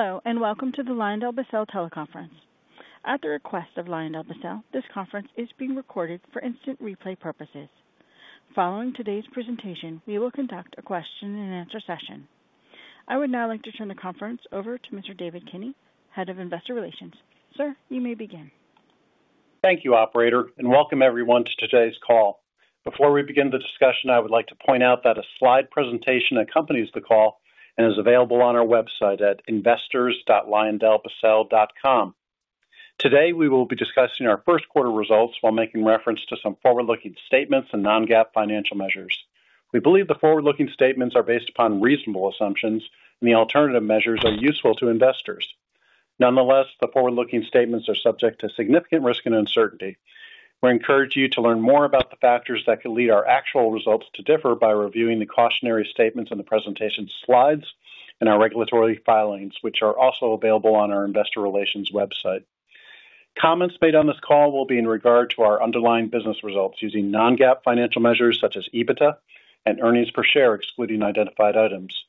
Hello, and welcome to the LyondellBasell Teleconference. At the request of LyondellBasell, this conference is being recorded for instant replay purposes. Following today's presentation, we will conduct a question-and-answer session. I would now like to turn the conference over to Mr. David Kinney, Head of Investor Relations. Sir, you may begin. Thank you, Operator, and welcome everyone to today's call. Before we begin the discussion, I would like to point out that a slide presentation accompanies the call and is available on our website at investors.lyondellbasell.com. Today, we will be discussing our Q1 results while making reference to some forward-looking statements and non-GAAP financial measures. We believe the forward-looking statements are based upon reasonable assumptions, and the alternative measures are useful to investors. Nonetheless, the forward-looking statements are subject to significant risk and uncertainty. We encourage you to learn more about the factors that could lead our actual results to differ by reviewing the cautionary statements in the presentation slides and our regulatory filings, which are also available on our Investor Relations website. Comments made on this call will be in regard to our underlying business results using non-GAAP financial measures such as EBITDA and earnings per share, excluding identified items.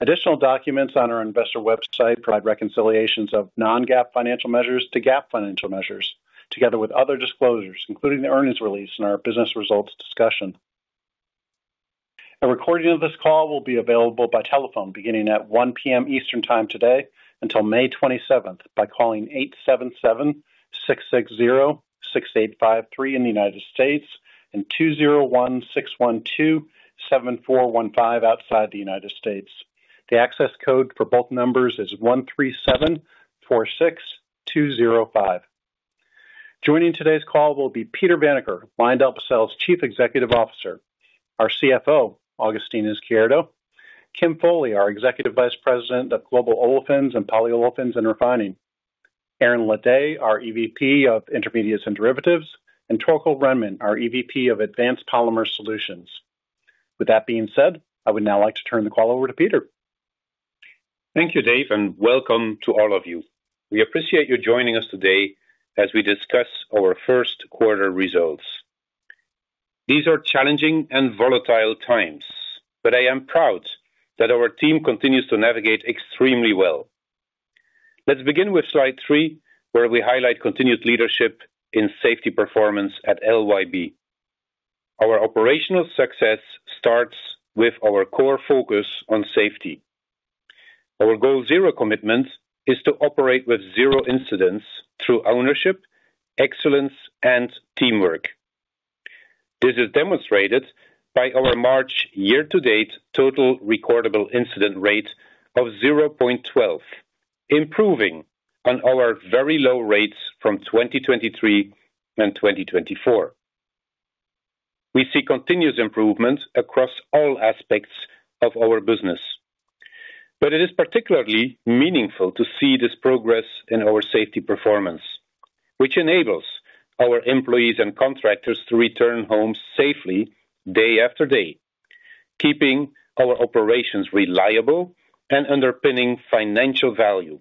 Additional documents on our investor website provide reconciliations of non-GAAP financial measures to GAAP financial measures, together with other disclosures, including the earnings release and our business results discussion. A recording of this call will be available by telephone beginning at 1:00 P.M. Eastern Time today until May 27 by calling 877-660-6853 in the United States and 201-612-7415 outside the United States. The access code for both numbers is 13746205. Joining today's call will be Peter Vanacker, LyondellBasell's Chief Executive Officer; our CFO, Agustín Izquierdo; Kim Foley, our Executive Vice President of Global Olefins and Polyolefins and Refining; Aaron Ledet, our EVP of Intermediates and Derivatives; and Torkel Rhenman, our EVP of Advanced Polymer Solutions. With that being said, I would now like to turn the call over to Peter. Thank you, Dave, and welcome to all of you. We appreciate your joining us today as we discuss our Q1 results. These are challenging and volatile times, but I am proud that our team continues to navigate extremely well. Let's begin with slide three, where we highlight continued leadership in safety performance at LYB. Our operational success starts with our core focus on safety. Our goal zero commitment is to operate with zero incidents through ownership, excellence, and teamwork. This is demonstrated by our March year-to-date total recordable incident rate of 0.12, improving on our very low rates from 2023 and 2024. We see continuous improvement across all aspects of our business, but it is particularly meaningful to see this progress in our safety performance, which enables our employees and contractors to return home safely day after day, keeping our operations reliable and underpinning financial value.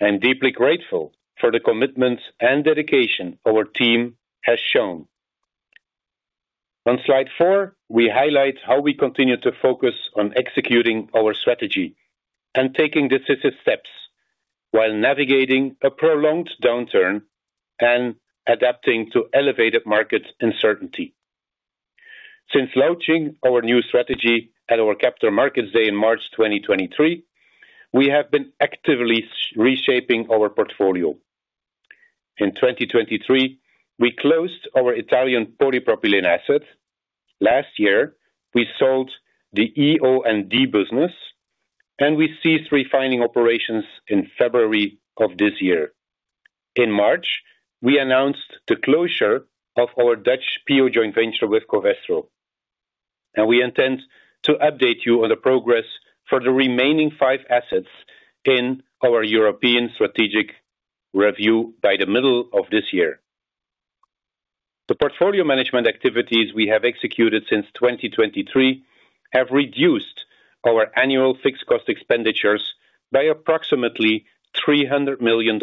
I am deeply grateful for the commitment and dedication our team has shown. On slide four, we highlight how we continue to focus on executing our strategy and taking decisive steps while navigating a prolonged downturn and adapting to elevated market uncertainty. Since launching our new strategy at our Capital Markets Day in March 2023, we have been actively reshaping our portfolio. In 2023, we closed our Italian polypropylene asset. Last year, we sold the EO&D business, and we ceased refining operations in February of this year. In March, we announced the closure of our Dutch PO joint venture with Covestro, and we intend to update you on the progress for the remaining five assets in our European strategic review by the middle of this year. The portfolio management activities we have executed since 2023 have reduced our annual fixed cost expenditures by approximately $300 million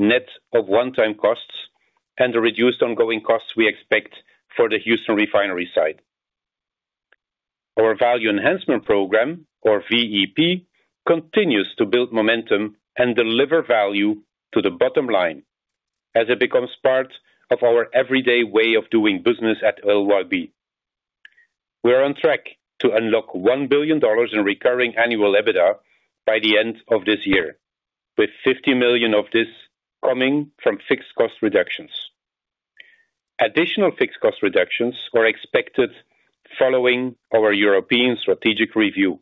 net of one-time costs and the reduced ongoing costs we expect for the Houston refinery site. Our value enhancement program, or VEP, continues to build momentum and deliver value to the bottom line as it becomes part of our everyday way of doing business at LYB. We are on track to unlock $1 billion in recurring annual EBITDA by the end of this year, with $50 million of this coming from fixed cost reductions. Additional fixed cost reductions are expected following our European strategic review.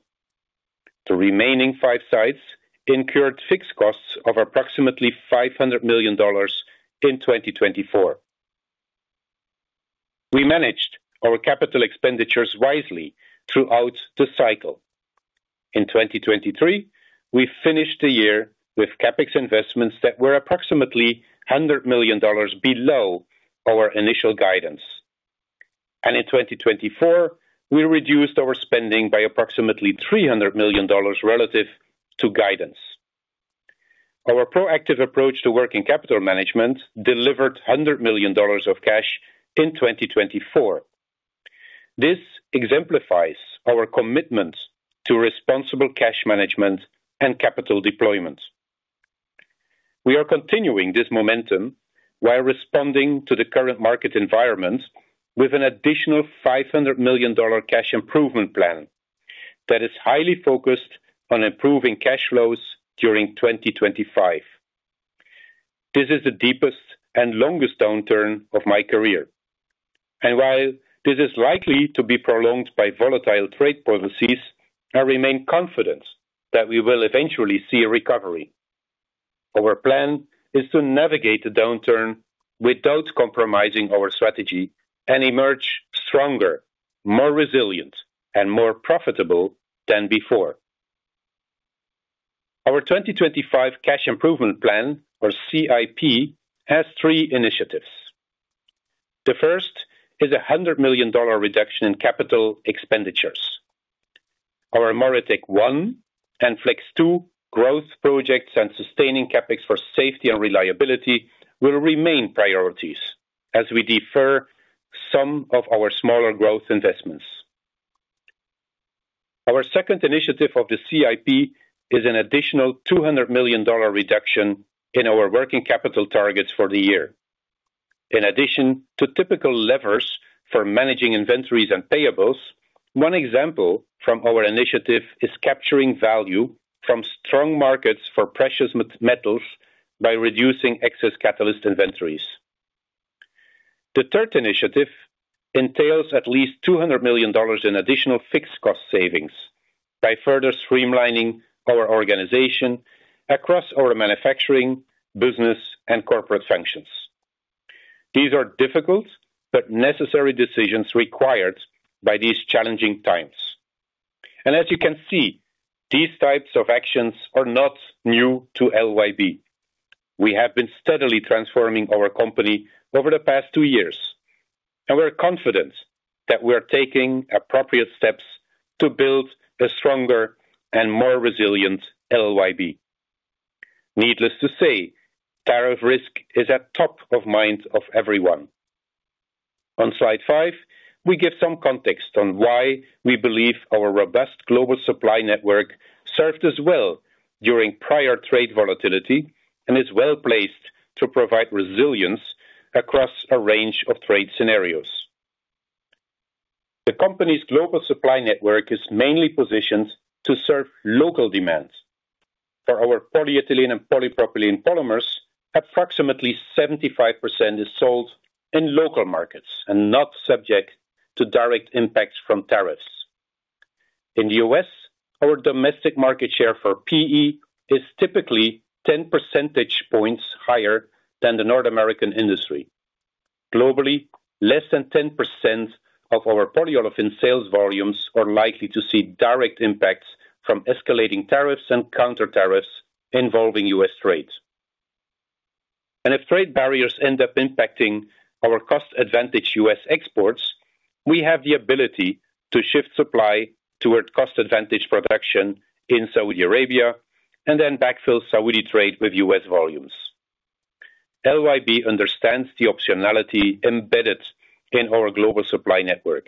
The remaining five sites incurred fixed costs of approximately $500 million in 2024. We managed our capital expenditures wisely throughout the cycle. In 2023, we finished the year with CapEx investments that were approximately $100 million below our initial guidance. In 2024, we reduced our spending by approximately $300 million relative to guidance. Our proactive approach to working capital management delivered $100 million of cash in 2024. This exemplifies our commitment to responsible cash management and capital deployment. We are continuing this momentum while responding to the current market environment with an additional $500 million cash improvement plan that is highly focused on improving cash flows during 2025. This is the deepest and longest downturn of my career. While this is likely to be prolonged by volatile trade policies, I remain confident that we will eventually see a recovery. Our plan is to navigate the downturn without compromising our strategy and emerge stronger, more resilient, and more profitable than before. Our 2025 Cash Improvement Plan, or CIP, has three initiatives. The first is a $100 million reduction in capital expenditures. Our MoReTec-1 One and Flex Two growth projects and sustaining CapEx for safety and reliability will remain priorities as we defer some of our smaller growth investments. Our second initiative of the CIP is an additional $200 million reduction in our working capital targets for the year. In addition to typical levers for managing inventories and payables, one example from our initiative is capturing value from strong markets for precious metals by reducing excess catalyst inventories. The third initiative entails at least $200 million in additional fixed cost savings by further streamlining our organization across our manufacturing, business, and corporate functions. These are difficult but necessary decisions required by these challenging times. As you can see, these types of actions are not new to LYB. We have been steadily transforming our company over the past two years, and we're confident that we are taking appropriate steps to build a stronger and more resilient LYB. Needless to say, tariff risk is at the top of mind of everyone. On slide five, we give some context on why we believe our robust global supply network served us well during prior trade volatility and is well placed to provide resilience across a range of trade scenarios. The company's global supply network is mainly positioned to serve local demands. For our polyethylene and polypropylene polymers, approximately 75% is sold in local markets and not subject to direct impact from tariffs. In the U.S., our domestic market share for PE is typically 10 percentage points higher than the North American industry. Globally, less than 10% of our polyolefin sales volumes are likely to see direct impacts from escalating tariffs and countertariffs involving U.S. trade. If trade barriers end up impacting our cost-advantage U.S. exports, we have the ability to shift supply toward cost-advantage production in Saudi Arabia and then backfill Saudi trade with U.S. volumes. LYB understands the optionality embedded in our global supply network.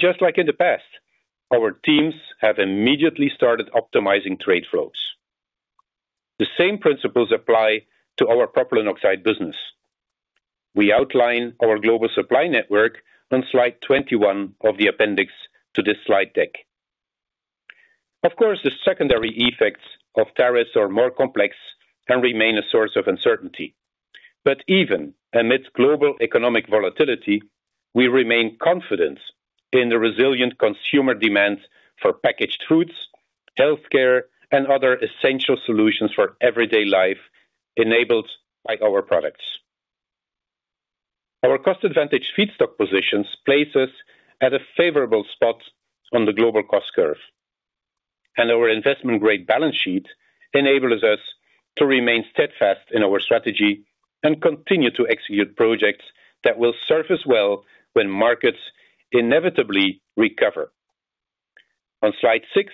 Just like in the past, our teams have immediately started optimizing trade flows. The same principles apply to our propylene oxide business. We outline our global supply network on slide 21 of the appendix to this slide deck. Of course, the secondary effects of tariffs are more complex and remain a source of uncertainty. Even amidst global economic volatility, we remain confident in the resilient consumer demand for packaged foods, healthcare, and other essential solutions for everyday life enabled by our products. Our cost-advantage feedstock positions place us at a favorable spot on the global cost curve. Our investment-grade balance sheet enables us to remain steadfast in our strategy and continue to execute projects that will surface well when markets inevitably recover. On slide six,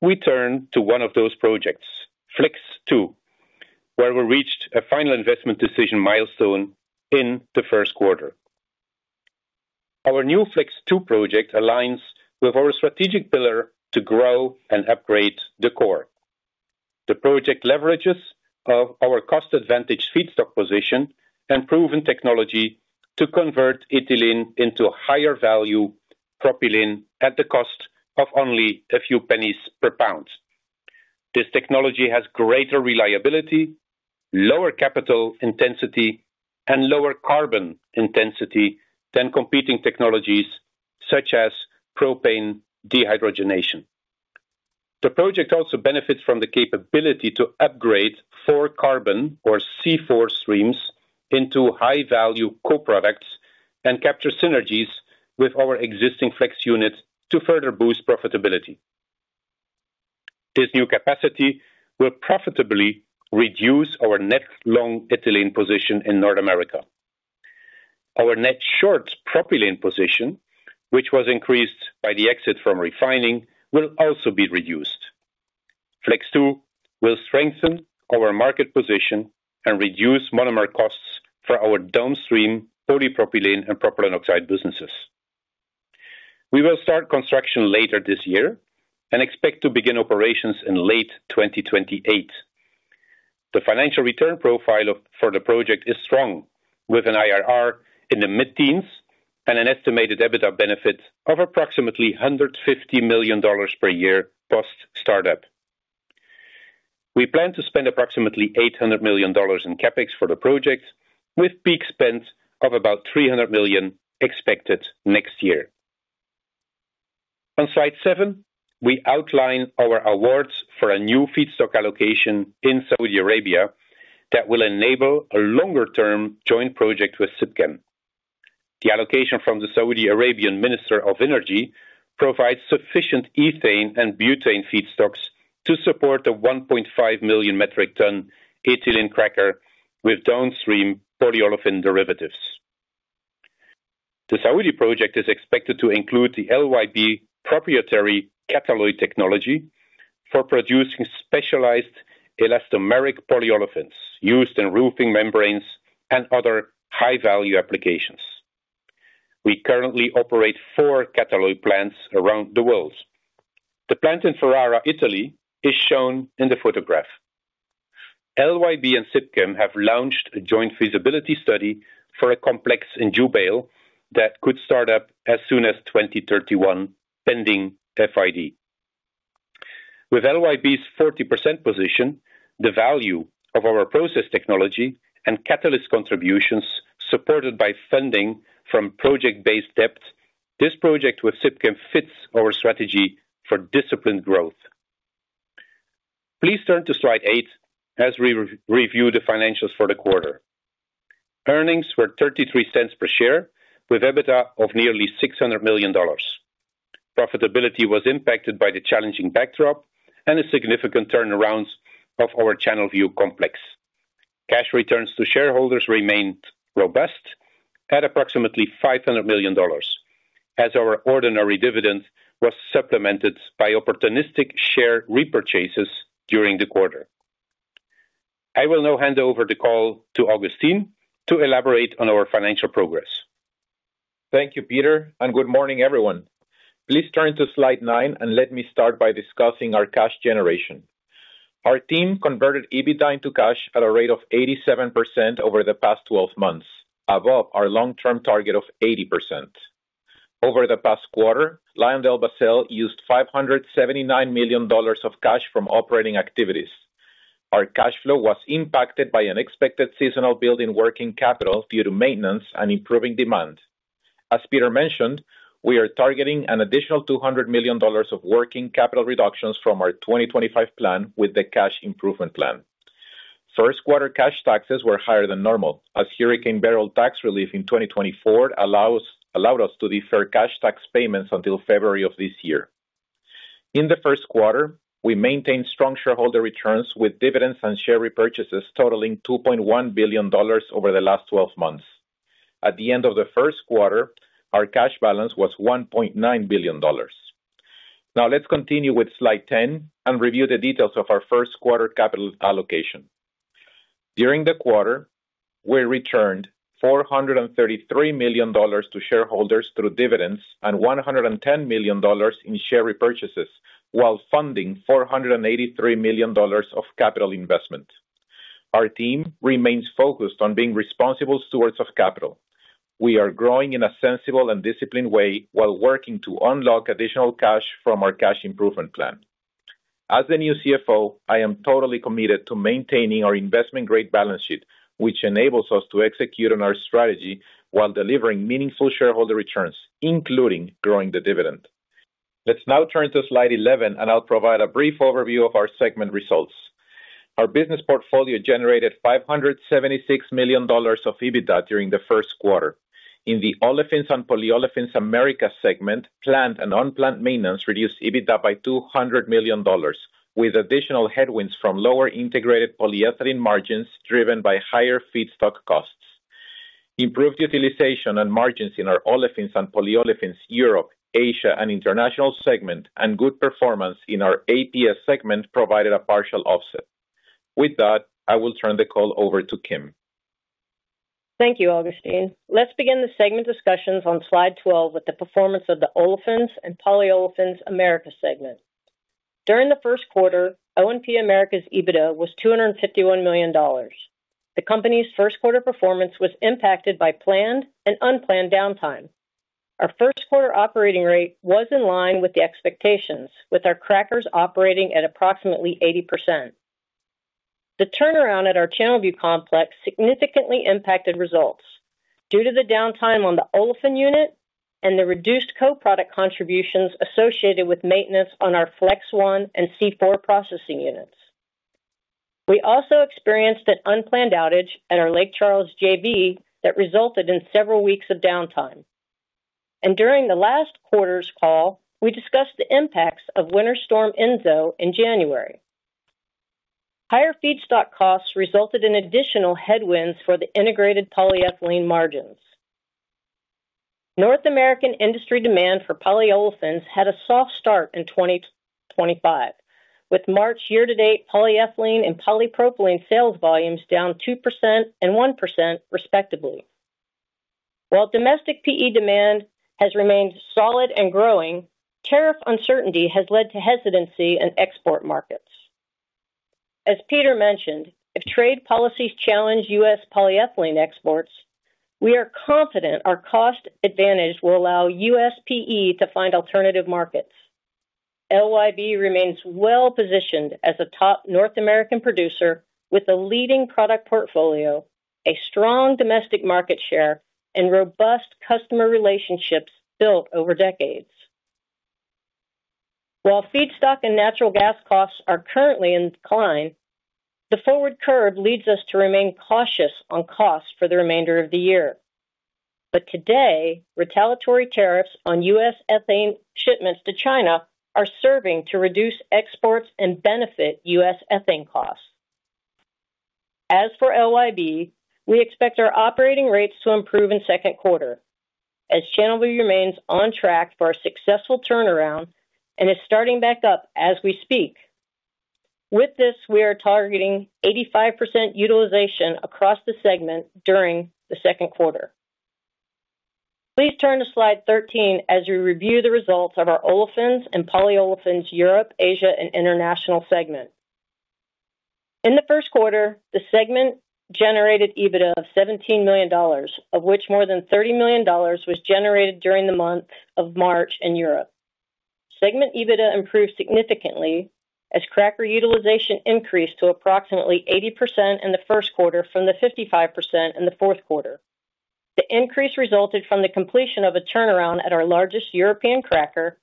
we turn to one of those projects, Flex Two, where we reached a final investment decision milestone in the Q1. Our new Flex Two project aligns with our strategic pillar to grow and upgrade the core. The project leverages our cost-advantage feedstock position and proven technology to convert ethylene into higher-value propylene at the cost of only a few pennies per pound. This technology has greater reliability, lower capital intensity, and lower carbon intensity than competing technologies such as propane dehydrogenation. The project also benefits from the capability to upgrade four-carbon or C4 streams into high-value co-products and capture synergies with our existing Flex unit to further boost profitability. This new capacity will profitably reduce our net long ethylene position in North America. Our net short propylene position, which was increased by the exit from refining, will also be reduced. Flex Two will strengthen our market position and reduce monomer costs for our downstream polypropylene and propylene oxide businesses. We will start construction later this year and expect to begin operations in late 2028. The financial return profile for the project is strong, with an IRR in the mid-teens and an estimated EBITDA benefit of approximately $150 million per year post-startup. We plan to spend approximately $800 million in CapEx for the project, with peak spend of about $300 million expected next year. On slide seven, we outline our awards for a new feedstock allocation in Saudi Arabia that will enable a longer-term joint project with Sipchem. The allocation from the Saudi Arabian Minister of Energy provides sufficient ethane and butane feedstocks to support the 1.5 million metric ton ethylene cracker with downstream polyolefin derivatives. The Saudi project is expected to include the LYB proprietary Catalloy technology for producing specialized elastomeric polyolefins used in roofing membranes and other high-value applications. We currently operate four Catalloy plants around the world. The plant in Ferrara, Italy, is shown in the photograph. LYB and SIPCHEM have launched a joint feasibility study for a complex in Jubail that could start up as soon as 2031, pending FID. With LYB's 40% position, the value of our process technology and catalyst contributions supported by funding from project-based debt, this project with SIPCHEM fits our strategy for disciplined growth. Please turn to slide eight as we review the financials for the quarter. Earnings were $0.33 per share with EBITDA of nearly $600 million. Profitability was impacted by the challenging backdrop and the significant turnarounds of our Channelview complex. Cash returns to shareholders remained robust at approximately $500 million as our ordinary dividend was supplemented by opportunistic share repurchases during the quarter. I will now hand over the call to Agustín to elaborate on our financial progress. Thank you, Peter, and good morning, everyone. Please turn to slide nine and let me start by discussing our cash generation. Our team converted EBITDA into cash at a rate of 87% over the past 12 months, above our long-term target of 80%. Over the past quarter, LyondellBasell used $579 million of cash from operating activities. Our cash flow was impacted by unexpected seasonal build in working capital due to maintenance and improving demand. As Peter mentioned, we are targeting an additional $200 million of working capital reductions from our 2025 plan with the cash improvement plan. First quarter cash taxes were higher than normal as Hurricane Beryl tax relief in 2024 allowed us to defer cash tax payments until February of this year. In the Q1, we maintained strong shareholder returns with dividends and share repurchases totaling $2.1 billion over the last 12 months. At the end of the Q1, our cash balance was $1.9 billion. Now let's continue with slide 10 and review the details of our Q1 capital allocation. During the quarter, we returned $433 million to shareholders through dividends and $110 million in share repurchases while funding $483 million of capital investment. Our team remains focused on being responsible stewards of capital. We are growing in a sensible and disciplined way while working to unlock additional cash from our cash improvement plan. As the new CFO, I am totally committed to maintaining our investment-grade balance sheet, which enables us to execute on our strategy while delivering meaningful shareholder returns, including growing the dividend. Let's now turn to slide 11, and I'll provide a brief overview of our segment results. Our business portfolio generated $576 million of EBITDA during the Q1. In the olefins and polyolefins America segment, plant and unplanned maintenance reduced EBITDA by $200 million, with additional headwinds from lower integrated polyethylene margins driven by higher feedstock costs. Improved utilization and margins in our olefins and polyolefins Europe, Asia, and international segment, and good performance in our APS segment provided a partial offset. With that, I will turn the call over to Kim. Thank you, Agustín. Let's begin the segment discussions on slide 12 with the performance of the olefins and polyolefins America segment. During the Q1, O&P America's EBITDA was $251 million. The company's Q1 performance was impacted by planned and unplanned downtime. Our Q1 operating rate was in line with the expectations, with our crackers operating at approximately 80%. The turnaround at our Channelview complex significantly impacted results due to the downtime on the olefin unit and the reduced co-product contributions associated with maintenance on our Flex One and C4 processing units. We also experienced an unplanned outage at our Lake Charles JV that resulted in several weeks of downtime. During the last quarter's call, we discussed the impacts of winter storm Enzo in January. Higher feedstock costs resulted in additional headwinds for the integrated polyethylene margins. North American industry demand for polyolefins had a soft start in 2025, with March year-to-date polyethylene and polypropylene sales volumes down 2% and 1%, respectively. While domestic PE demand has remained solid and growing, tariff uncertainty has led to hesitancy in export markets. As Peter mentioned, if trade policies challenge US polyethylene exports, we are confident our cost advantage will allow US PE to find alternative markets. LYB remains well positioned as a top North American producer with a leading product portfolio, a strong domestic market share, and robust customer relationships built over decades. While feedstock and natural gas costs are currently in decline, the forward curve leads us to remain cautious on costs for the remainder of the year. Today, retaliatory tariffs on US ethane shipments to China are serving to reduce exports and benefit US ethane costs. As for LYB, we expect our operating rates to improve in the second quarter as Channelview remains on track for a successful turnaround and is starting back up as we speak. With this, we are targeting 85% utilization across the segment during the Q2. Please turn to slide 13 as we review the results of our olefins and polyolefins Europe, Asia, and international segment. In the Q1, the segment generated EBITDA of $17 million, of which more than $30 million was generated during the month of March in Europe. Segment EBITDA improved significantly as cracker utilization increased to approximately 80% in the Q1 from the 55% in the Q4 The increase resulted from the completion of a turnaround at our largest European cracker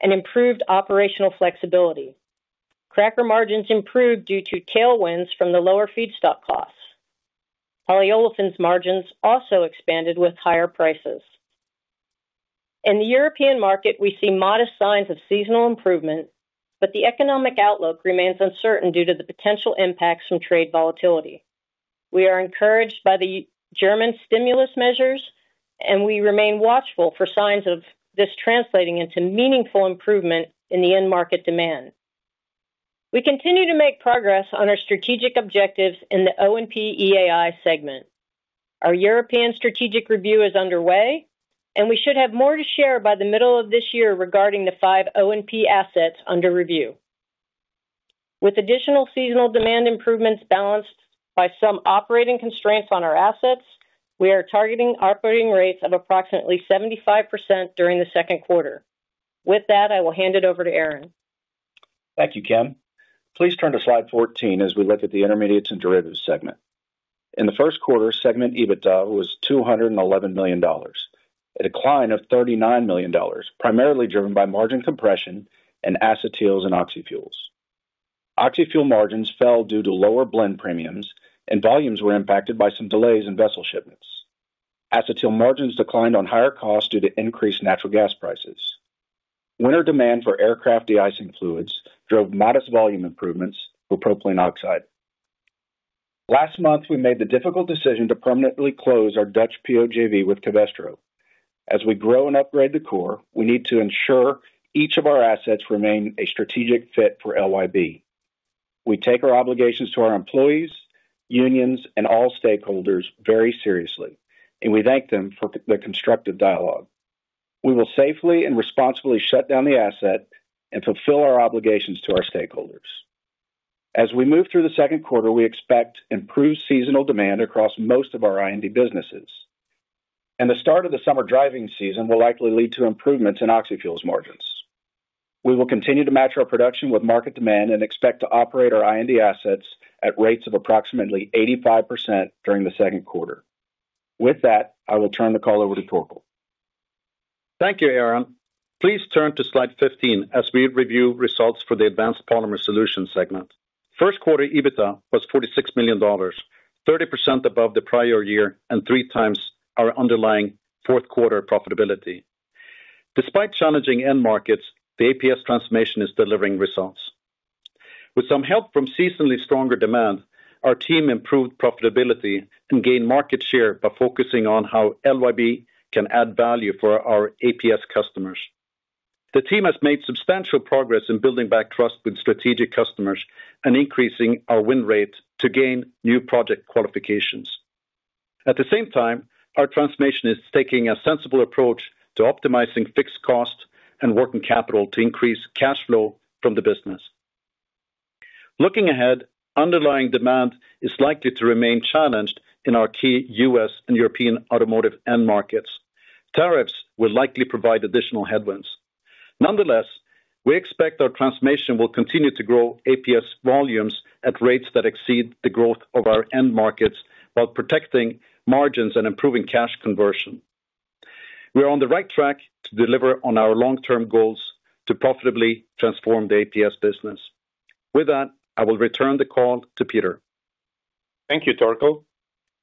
and improved operational flexibility. Cracker margins improved due to tailwinds from the lower feedstock costs. Polyolefins margins also expanded with higher prices. In the European market, we see modest signs of seasonal improvement, but the economic outlook remains uncertain due to the potential impacts from trade volatility. We are encouraged by the German stimulus measures, and we remain watchful for signs of this translating into meaningful improvement in the end market demand. We continue to make progress on our strategic objectives in the O&P EAI segment. Our European strategic review is underway, and we should have more to share by the middle of this year regarding the five O&P assets under review. With additional seasonal demand improvements balanced by some operating constraints on our assets, we are targeting operating rates of approximately 75% during the second quarter. With that, I will hand it over to Aaron. Thank you, Kim. Please turn to slide 14 as we look at the intermediates and derivatives segment. In the first quarter, segment EBITDA was $211 million, a decline of $39 million, primarily driven by margin compression in acetyls and oxyfuels. Oxyfuels margins fell due to lower blend premiums, and volumes were impacted by some delays in vessel shipments. Acetyls margins declined on higher costs due to increased natural gas prices. Winter demand for aircraft deicing fluids drove modest volume improvements for propylene oxide. Last month, we made the difficult decision to permanently close our Dutch POJV with Covestro. As we grow and upgrade the core, we need to ensure each of our assets remain a strategic fit for LYB. We take our obligations to our employees, unions, and all stakeholders very seriously, and we thank them for the constructive dialogue. We will safely and responsibly shut down the asset and fulfill our obligations to our stakeholders. As we move through the Q2, we expect improved seasonal demand across most of our IND businesses, and the start of the summer driving season will likely lead to improvements in oxyfuels margins. We will continue to match our production with market demand and expect to operate our IND assets at rates of approximately 85% during the Q2. With that, I will turn the call over to Torkel. Thank you, Aaron. Please turn to slide 15 as we review results for the advanced polymer solution segment. First quarter EBITDA was $46 million, 30% above the prior year and three times our underlying fourth quarter profitability. Despite challenging end markets, the APS transformation is delivering results. With some help from seasonally stronger demand, our team improved profitability and gained market share by focusing on how LYB can add value for our APS customers. The team has made substantial progress in building back trust with strategic customers and increasing our win rate to gain new project qualifications. At the same time, our transformation is taking a sensible approach to optimizing fixed costs and working capital to increase cash flow from the business. Looking ahead, underlying demand is likely to remain challenged in our key US and European automotive end markets. Tariffs will likely provide additional headwinds. Nonetheless, we expect our transformation will continue to grow APS volumes at rates that exceed the growth of our end markets while protecting margins and improving cash conversion. We are on the right track to deliver on our long-term goals to profitably transform the APS business. With that, I will return the call to Peter. Thank you, Torkel.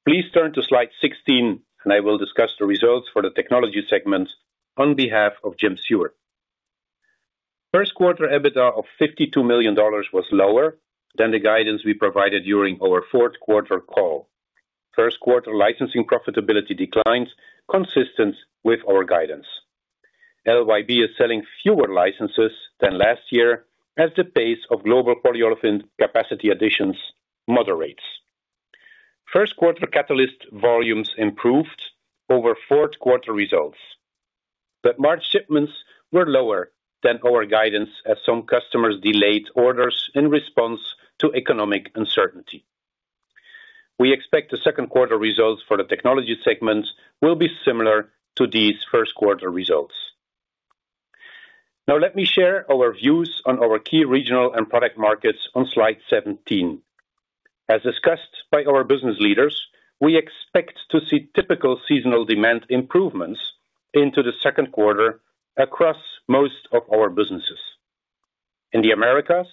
Please turn to slide 16, and I will discuss the results for the technology segment on behalf of Jim Seward. First quarter EBITDA of $52 million was lower than the guidance we provided during our Q4 call. Q1 licensing profitability declines consistent with our guidance. LYB is selling fewer licenses than last year as the pace of global polyolefin capacity additions moderates.Q1 catalyst volumes improved over Q4 results, but March shipments were lower than our guidance as some customers delayed orders in response to economic uncertainty. We expect the Q2 results for the technology segment will be similar to these Q1 results. Now let me share our views on our key regional and product markets on slide 17. As discussed by our business leaders, we expect to see typical seasonal demand improvements into the Q2 across most of our businesses. In the Americas,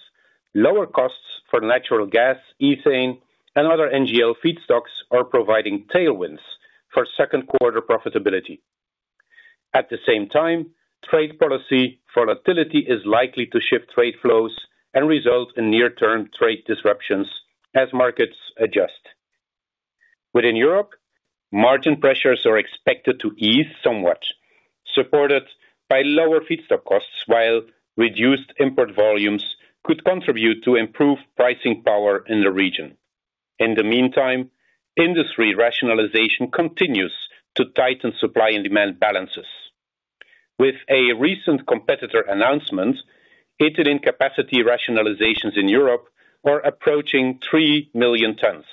lower costs for natural gas, ethane, and other NGL feedstocks are providing tailwinds for Q2 profitability. At the same time, trade policy volatility is likely to shift trade flows and result in near-term trade disruptions as markets adjust. Within Europe, margin pressures are expected to ease somewhat, supported by lower feedstock costs, while reduced import volumes could contribute to improved pricing power in the region. In the meantime, industry rationalization continues to tighten supply and demand balances. With a recent competitor announcement, ethylene capacity rationalizations in Europe are approaching 3 million tons,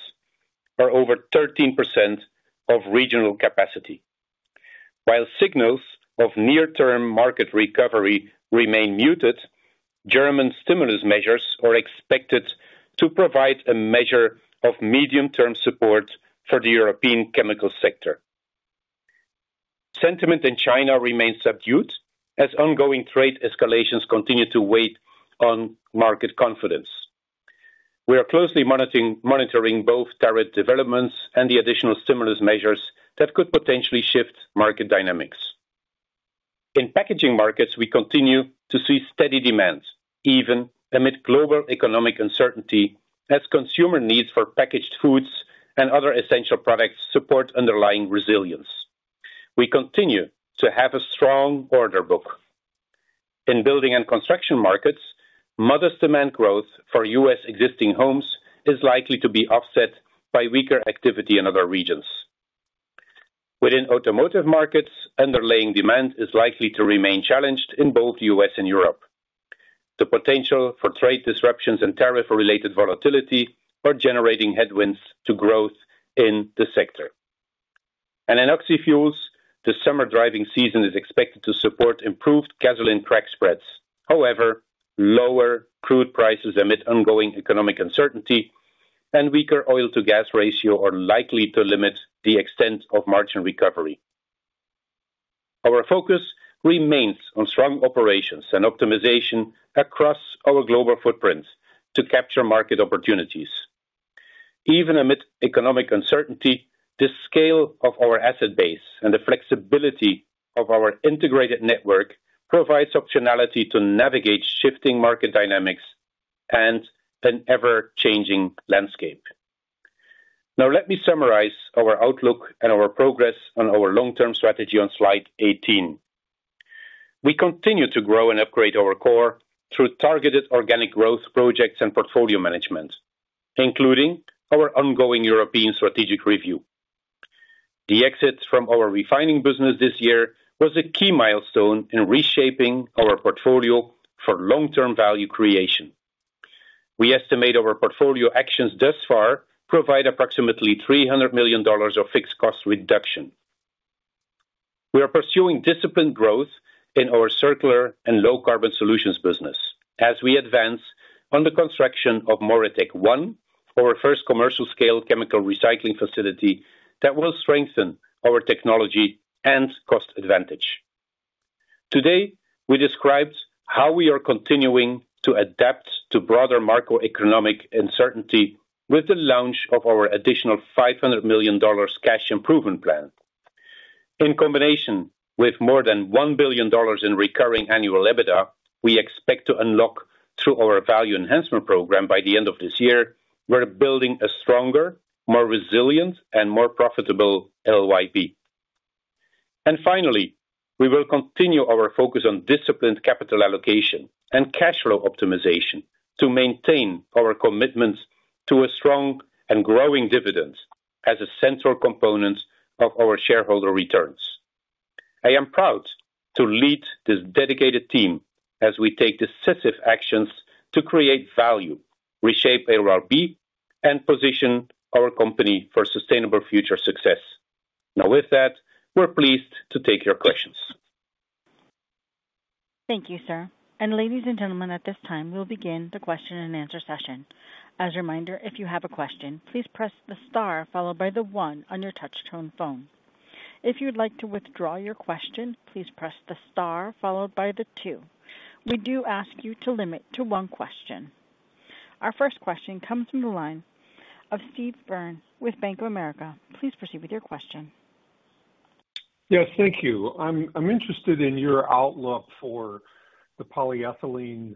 or over 13% of regional capacity. While signals of near-term market recovery remain muted, German stimulus measures are expected to provide a measure of medium-term support for the European chemical sector. Sentiment in China remains subdued as ongoing trade escalations continue to weigh on market confidence. We are closely monitoring both tariff developments and the additional stimulus measures that could potentially shift market dynamics. In packaging markets, we continue to see steady demand, even amid global economic uncertainty, as consumer needs for packaged foods and other essential products support underlying resilience. We continue to have a strong order book. In building and construction markets, modest demand growth for US existing homes is likely to be offset by weaker activity in other regions. Within automotive markets, underlying demand is likely to remain challenged in both US and Europe. The potential for trade disruptions and tariff-related volatility are generating headwinds to growth in the sector. In oxyfuels, the summer driving season is expected to support improved gasoline crack spreads. However, lower crude prices amid ongoing economic uncertainty and weaker oil-to-gas ratio are likely to limit the extent of margin recovery. Our focus remains on strong operations and optimization across our global footprint to capture market opportunities. Even amid economic uncertainty, the scale of our asset base and the flexibility of our integrated network provides optionality to navigate shifting market dynamics and an ever-changing landscape. Now let me summarize our outlook and our progress on our long-term strategy on slide 18. We continue to grow and upgrade our core through targeted organic growth projects and portfolio management, including our ongoing European strategic review. The exit from our refining business this year was a key milestone in reshaping our portfolio for long-term value creation. We estimate our portfolio actions thus far provide approximately $300 million of fixed cost reduction. We are pursuing disciplined growth in our circular and low-carbon solutions business as we advance on the construction of MoReTec One, our first commercial-scale chemical recycling facility that will strengthen our technology and cost advantage. Today, we described how we are continuing to adapt to broader macroeconomic uncertainty with the launch of our additional $500 million cash improvement plan. In combination with more than $1 billion in recurring annual EBITDA, we expect to unlock through our value enhancement program by the end of this year, we're building a stronger, more resilient, and more profitable LYB. Finally, we will continue our focus on disciplined capital allocation and cash flow optimization to maintain our commitments to a strong and growing dividend as a central component of our shareholder returns. I am proud to lead this dedicated team as we take decisive actions to create value, reshape LYB, and position our company for sustainable future success. Now with that, we're pleased to take your questions. Thank you, sir. Ladies and gentlemen, at this time, we'll begin the question and answer session. As a reminder, if you have a question, please press the star followed by the one on your touch-tone phone. If you'd like to withdraw your question, please press the star followed by the two. We do ask you to limit to one question. Our first question comes from the line of Steve Byrne with Bank of America. Please proceed with your question. Yes, thank you. I'm interested in your outlook for the polyethylene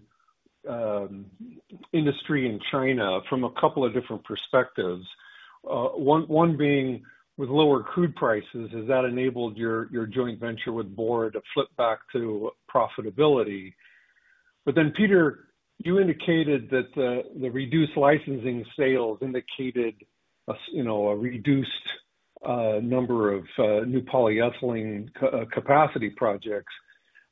industry in China from a couple of different perspectives. One being with lower crude prices, has that enabled your joint venture with Bora to flip back to profitability? Peter, you indicated that the reduced licensing sales indicated a reduced number of new polyethylene capacity projects.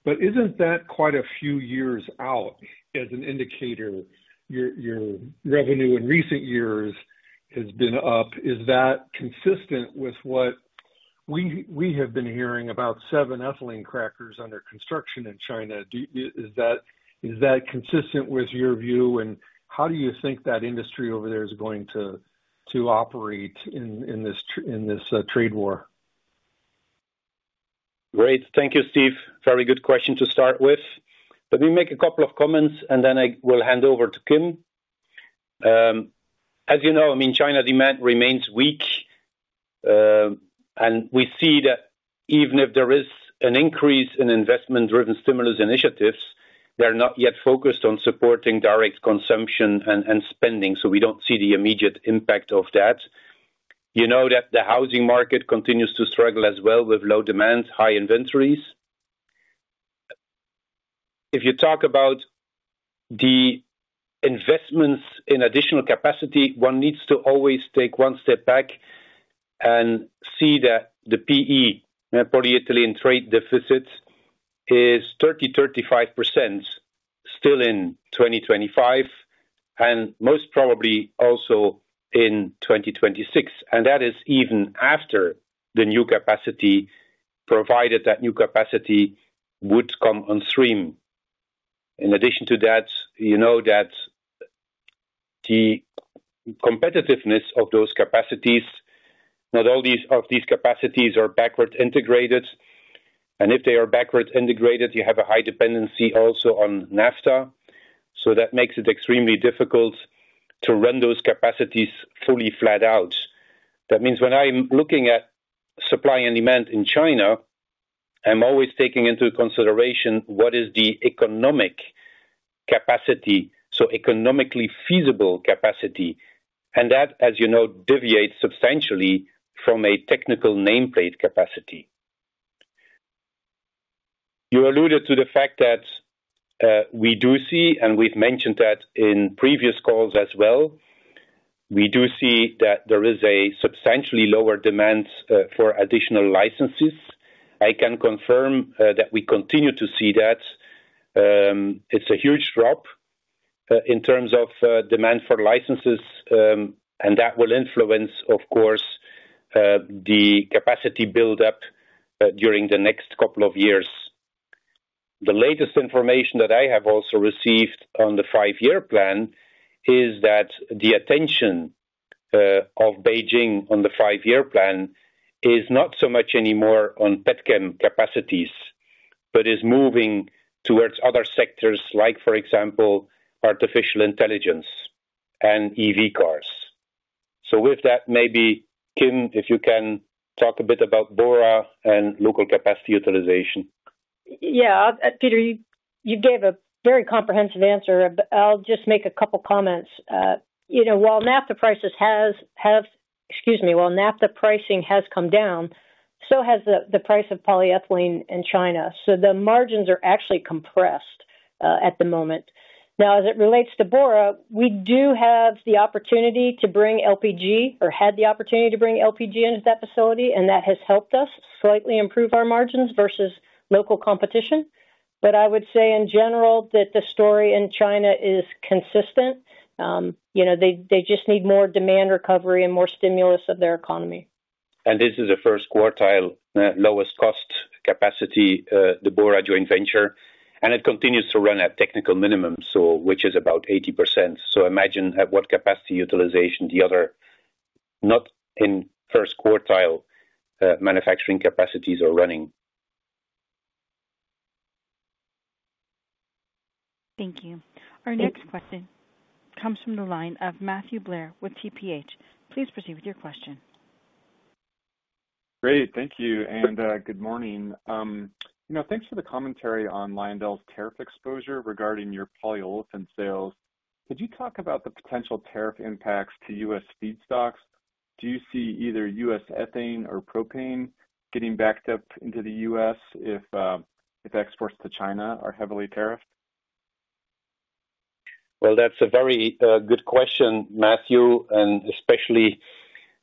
Isn't that quite a few years out as an indicator? Your revenue in recent years has been up. Is that consistent with what we have been hearing about seven ethylene crackers under construction in China? Is that consistent with your view? How do you think that industry over there is going to operate in this trade war? Great. Thank you, Steve. Very good question to start with. Let me make a couple of comments, and then I will hand over to Kim. As you know, I mean, China demand remains weak. We see that even if there is an increase in investment-driven stimulus initiatives, they are not yet focused on supporting direct consumption and spending. We do not see the immediate impact of that. You know that the housing market continues to struggle as well with low demand, high inventories. If you talk about the investments in additional capacity, one needs to always take one step back and see that the PE, Polyethylene Trade Deficit, is 30-35% still in 2025 and most probably also in 2026. That is even after the new capacity, provided that new capacity would come on stream. In addition to that, you know that the competitiveness of those capacities, not all of these capacities are backward integrated. If they are backward integrated, you have a high dependency also on naphtha. That makes it extremely difficult to run those capacities fully flat out. That means when I'm looking at supply and demand in China, I'm always taking into consideration what is the economic capacity, so economically feasible capacity. That, as you know, deviates substantially from a technical nameplate capacity. You alluded to the fact that we do see, and we've mentioned that in previous calls as well, we do see that there is a substantially lower demand for additional licenses. I can confirm that we continue to see that. It's a huge drop in terms of demand for licenses, and that will influence, of course, the capacity buildup during the next couple of years. The latest information that I have also received on the five-year plan is that the attention of Beijing on the five-year plan is not so much anymore on Petchem capacities, but is moving towards other sectors like, for example, artificial intelligence and EV cars. With that, maybe Kim, if you can talk a bit about Boudreau and local capacity utilization. Yeah. Peter, you gave a very comprehensive answer. I'll just make a couple of comments. While NAFTA prices have, excuse me, while NAFTA pricing has come down, so has the price of polyethylene in China. The margins are actually compressed at the moment. Now, as it relates to Boudreau, we do have the opportunity to bring LPG or had the opportunity to bring LPG into that facility, and that has helped us slightly improve our margins versus local competition. I would say in general that the story in China is consistent. They just need more demand recovery and more stimulus of their economy. This is a first quartile lowest cost capacity, the Boudreau joint venture. It continues to run at technical minimum, which is about 80%. Imagine at what capacity utilization the other not in first quartile manufacturing capacities are running. Thank you. Our next question comes from the line of Matthew Blair with TPH. Please proceed with your question. Great. Thank you. Good morning. Thanks for the commentary on LyondellBasell's tariff exposure regarding your polyolefin sales. Could you talk about the potential tariff impacts to US feedstocks? Do you see either US ethane or propane getting backed up into the US if exports to China are heavily tariffed? That is a very good question, Matthew, and especially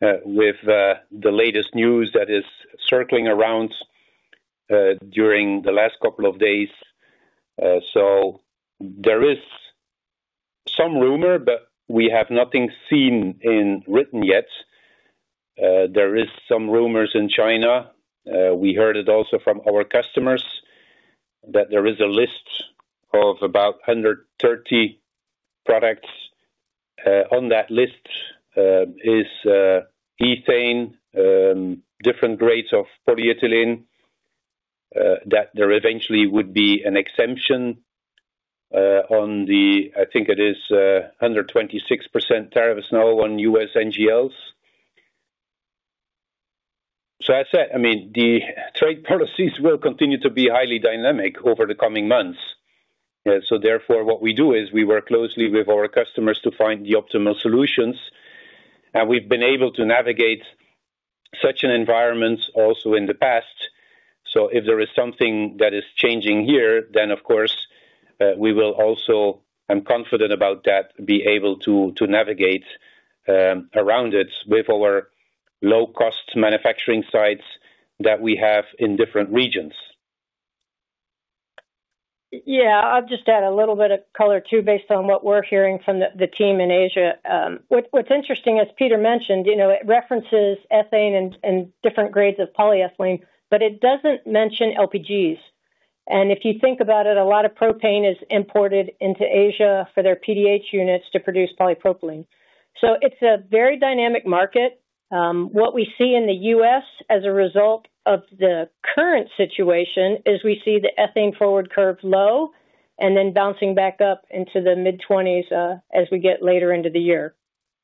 with the latest news that is circling around during the last couple of days. There is some rumor, but we have not seen anything in writing yet. There are some rumors in China. We heard it also from our customers that there is a list of about 130 products. On that list is ethane, different grades of polyethylene, that there eventually would be an exemption on the, I think it is 126% tariffs now on US NGLs. I mean, the trade policies will continue to be highly dynamic over the coming months. Therefore, what we do is we work closely with our customers to find the optimal solutions. We have been able to navigate such an environment also in the past. If there is something that is changing here, then of course, we will also, I'm confident about that, be able to navigate around it with our low-cost manufacturing sites that we have in different regions. I'll just add a little bit of color too based on what we're hearing from the team in Asia. What's interesting, as Peter mentioned, it references ethane and different grades of polyethylene, but it doesn't mention LPGs. If you think about it, a lot of propane is imported into Asia for their PDH units to produce polypropylene. It is a very dynamic market. What we see in the US as a result of the current situation is we see the ethane forward curve low and then bouncing back up into the mid-20s as we get later into the year.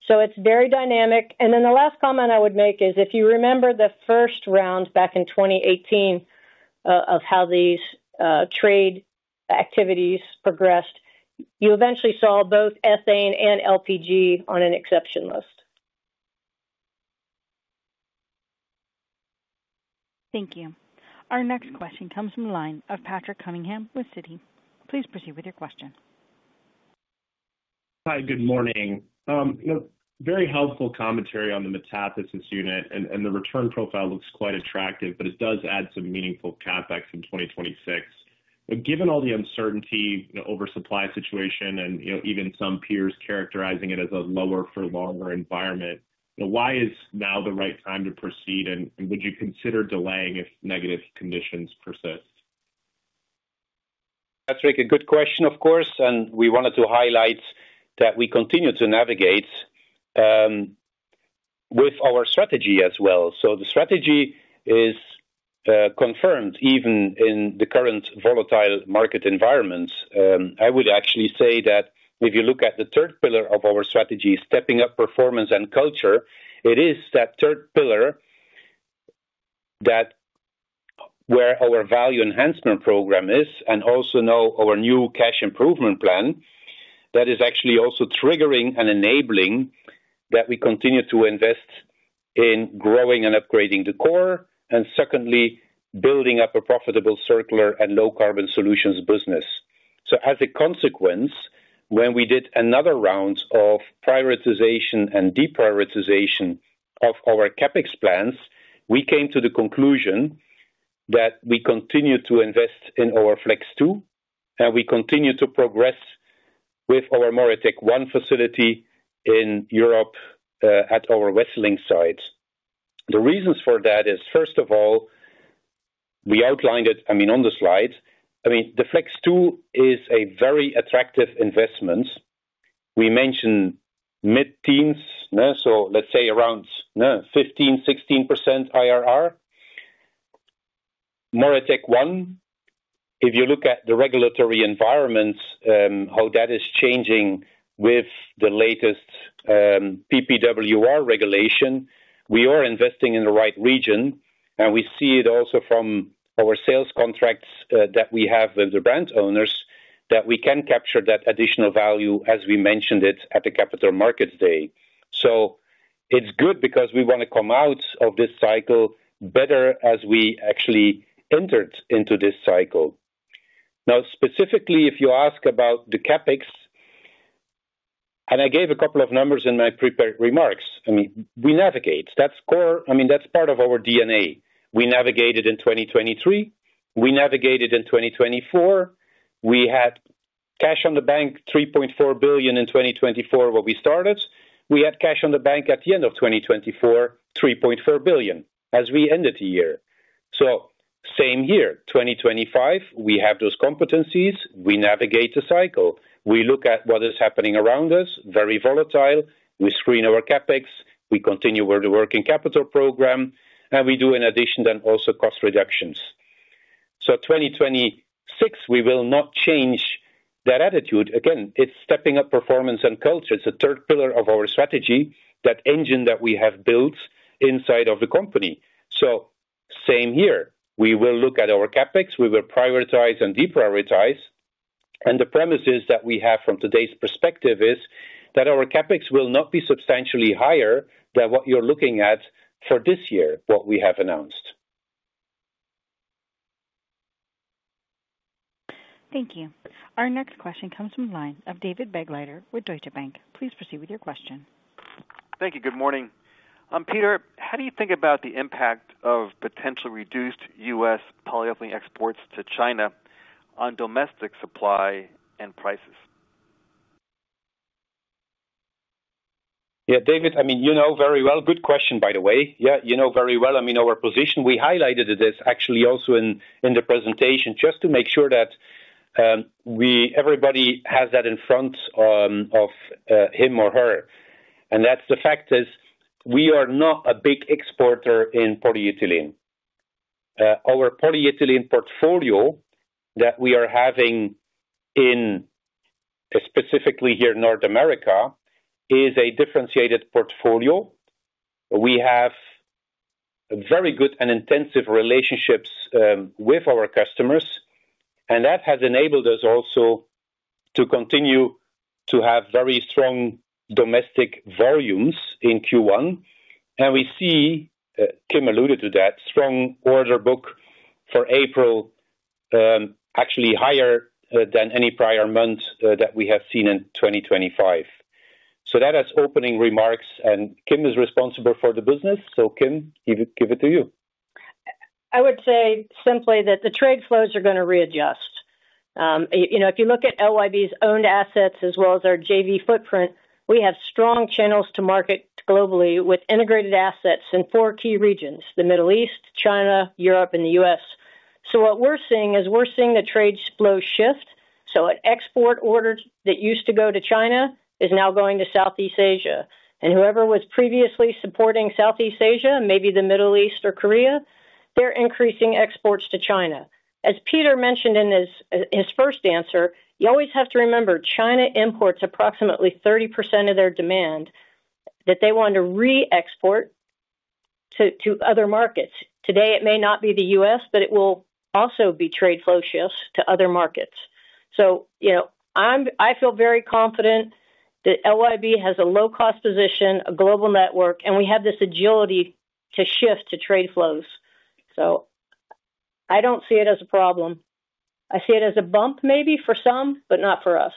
It is very dynamic. Then the last comment I would make is if you remember the first round back in 2018 of how these trade activities progressed, you eventually saw both ethane and LPG on an exception list. Thank you. Our next question comes from the line of Patrick Cunningham with Citigroup. Please proceed with your question. Hi, good morning. Very helpful commentary on the metathesis unit. The return profile looks quite attractive, but it does add some meaningful CapEx in 2026. Given all the uncertainty, oversupply situation, and even some peers characterizing it as a lower-for-longer environment, why is now the right time to proceed? Would you consider delaying if negative conditions persist? That is a good question, of course. We wanted to highlight that we continue to navigate with our strategy as well. The strategy is confirmed even in the current volatile market environments. I would actually say that if you look at the third pillar of our strategy, stepping up performance and culture, it is that third pillar where our Value Enhancement Program is and also now our new Cash Improvement Plan that is actually also triggering and enabling that we continue to invest in growing and upgrading the core and secondly, building up a profitable circular and low-carbon solutions business. As a consequence, when we did another round of prioritization and deprioritization of our CapEx plans, we came to the conclusion that we continue to invest in our Flex Two, and we continue to progress with our MoReTec One facility in Europe at our Wesseling site. The reasons for that is, first of all, we outlined it, I mean, on the slides. I mean, the Flex Two is a very attractive investment. We mentioned mid-teens, so let's say around 15%-16% IRR. MoReTec One, if you look at the regulatory environment, how that is changing with the latest PPWR regulation, we are investing in the right region. We see it also from our sales contracts that we have with the brand owners that we can capture that additional value, as we mentioned it at the Capital Markets Day. It's good because we want to come out of this cycle better as we actually entered into this cycle. Now, specifically, if you ask about the CapEx, and I gave a couple of numbers in my prepared remarks. I mean, we navigate. I mean, that's part of our DNA. We navigated in 2023. We navigated in 2024. We had cash on the bank, $3.4 billion in 2024 when we started. We had cash on the bank at the end of 2024, $3.4 billion as we ended the year. Same year, 2025, we have those competencies. We navigate the cycle. We look at what is happening around us, very volatile. We screen our CapEx. We continue with the working capital program, and we do in addition then also cost reductions. In 2026, we will not change that attitude. Again, it is stepping up performance and culture. It is a third pillar of our strategy, that engine that we have built inside of the company. Same here. We will look at our CapEx. We will prioritize and deprioritize. The premises that we have from today's perspective is that our CapEx will not be substantially higher than what you are looking at for this year, what we have announced. Thank you. Our next question comes from the line of David Begleiter with Deutsche Bank. Please proceed with your question. Thank you. Good morning. Peter, how do you think about the impact of potential reduced US polyethylene exports to China on domestic supply and prices? Yeah, David, I mean, you know very well. Good question, by the way. Yeah, you know very well. I mean, our position, we highlighted this actually also in the presentation just to make sure that everybody has that in front of him or her. The fact is we are not a big exporter in polyethylene. Our polyethylene portfolio that we are having in specifically here in North America is a differentiated portfolio. We have very good and intensive relationships with our customers. That has enabled us also to continue to have very strong domestic volumes in Q1. We see, Kim alluded to that, strong order book for April, actually higher than any prior month that we have seen in 2025. That has opening remarks. Kim is responsible for the business. Kim, give it to you. I would say simply that the trade flows are going to readjust. If you look at LYB's owned assets as well as our JV footprint, we have strong channels to market globally with integrated assets in four key regions: the Middle East, China, Europe, and the US. What we are seeing is we are seeing the trade flow shift. An export order that used to go to China is now going to Southeast Asia. Whoever was previously supporting Southeast Asia, maybe the Middle East or Korea, they are increasing exports to China. As Peter mentioned in his first answer, you always have to remember China imports approximately 30% of their demand that they want to re-export to other markets. Today, it may not be the U.S., but it will also be trade flow shifts to other markets. I feel very confident that LYB has a low-cost position, a global network, and we have this agility to shift to trade flows. I do not see it as a problem. I see it as a bump maybe for some, but not for us.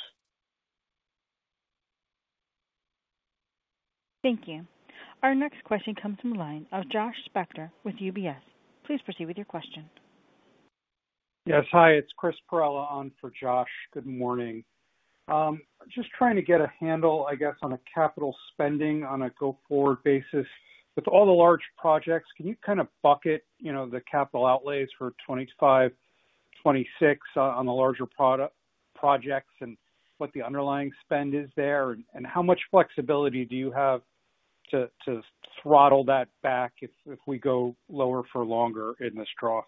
Thank you. Our next question comes from the line of Josh Specter with UBS. Please proceed with your question. Yes. Hi, it is Chris Perella on for Josh. Good morning. Just trying to get a handle, I guess, on the capital spending on a go-forward basis. With all the large projects, can you kind of bucket the capital outlays for '25, '26 on the larger projects and what the underlying spend is there? How much flexibility do you have to throttle that back if we go lower for longer in this draw?